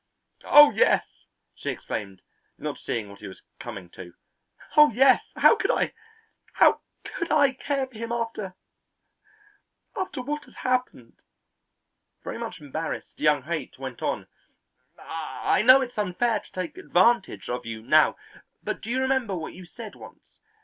"Oh, yes," she exclaimed, not seeing what he was coming to. "Oh, yes; how could I how could I care for him after after what has happened?" Very much embarrassed, young Haight went on: "I know it's unfair to take advantage of you now, but do you remember what you said once?